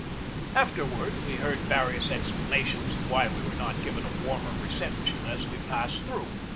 Afterward we heard various explanations of why we were not given a warmer reception as we passed through.